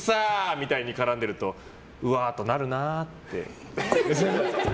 みたいに絡んでるとうわーとなるなあ。